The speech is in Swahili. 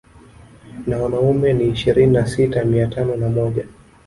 Na wanaume ni ishirini na sita mia tano na moja